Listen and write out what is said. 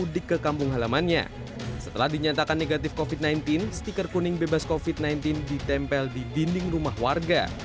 di dinding rumah warga